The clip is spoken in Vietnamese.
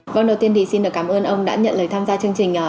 vâng đầu tiên thì xin được cảm ơn ông đã nhận lời tham gia chương trình